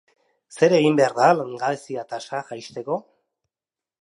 Zer egin behar da langabezia tasa jaisteko?